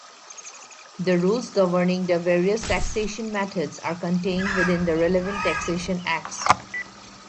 The rules governing the various taxation methods are contained within the relevant taxation acts.